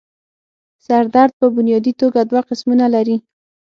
سر درد پۀ بنيادي توګه دوه قسمونه لري